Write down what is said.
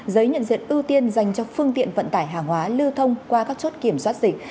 giấy nhận diện ưu tiên dành cho phương tiện vận tải hàng hóa lưu thông qua các chốt kiểm soát dịch